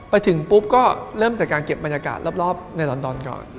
ไปถึงปุ๊บก็เริ่มจากการเก็บบรรยากาศรอบในลอนดอนก่อน